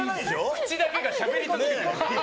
口だけがしゃべり続けている。